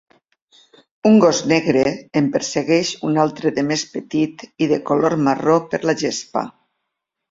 Un gos negre en persegueix un altre de més petit i de color marró per la gespa.